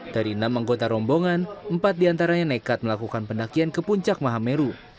dari enam anggota rombongan empat diantaranya nekat melakukan pendakian ke puncak mahameru